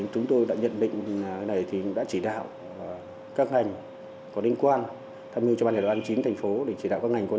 chúng tôi đã nhận định đã chỉ đạo các ngành